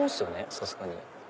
さすがに。